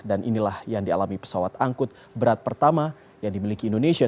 inilah yang dialami pesawat angkut berat pertama yang dimiliki indonesia